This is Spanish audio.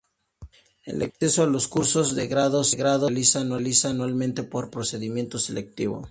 El acceso a los cursos de grado se realiza anualmente por un procedimiento selectivo.